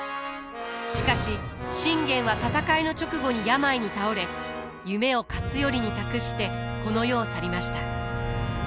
しかし信玄は戦いの直後に病に倒れ夢を勝頼に託してこの世を去りました。